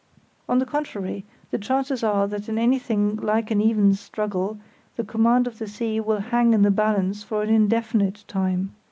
On the contrary, the chances are that in anything like an even struggle the command of the sea will hang in the balance for an indefinite time.